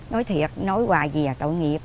nói thiệt nói hoài gì là tội nghiệp